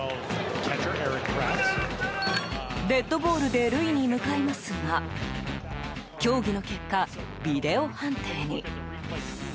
デッドボールで塁に向かいますが協議の結果、ビデオ判定に。